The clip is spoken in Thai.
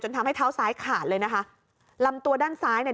ทำให้เท้าซ้ายขาดเลยนะคะลำตัวด้านซ้ายเนี่ย